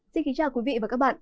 xin kính chào quý vị và các bạn